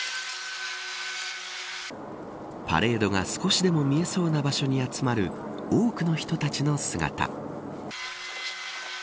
パレードが少しでも見えそうな場所に集まる多くの人たちの姿。